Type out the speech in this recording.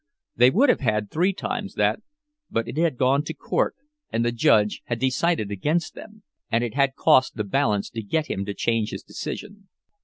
They would have had three times that, but it had gone to court, and the judge had decided against them, and it had cost the balance to get him to change his decision.